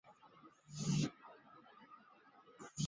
温妮台风挟带强风豪雨过境台湾北部及东北部地区。